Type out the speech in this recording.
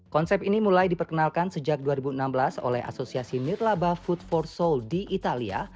konsep ini mulai diperkenalkan sejak dua ribu enam belas oleh asosiasi mirlaba food for soul di italia